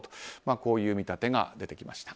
こういう見立てが出てきました。